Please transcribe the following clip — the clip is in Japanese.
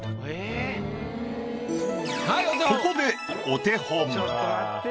ここでお手本。